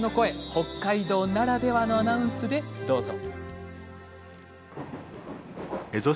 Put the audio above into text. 北海道ならではのアナウンスでどうぞ。